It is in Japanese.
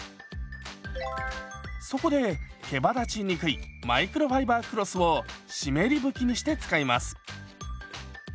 そこでけばだちにくいマイクロファイバークロスを湿り拭きにして使います。